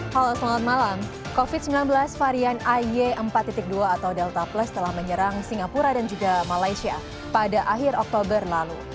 halo selamat malam covid sembilan belas varian ay empat dua atau delta plus telah menyerang singapura dan juga malaysia pada akhir oktober lalu